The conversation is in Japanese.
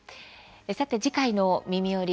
次回の「みみより！